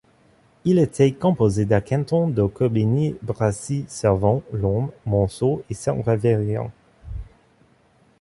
Il était composé des cantons de Corbigny, Brassy, Cervon, Lorme, Monceaux et Saint Révérien.